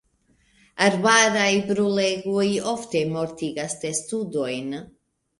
Arbaraj brulegoj ofte mortigas testudojn.